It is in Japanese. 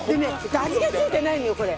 味が付いてないのよこれ。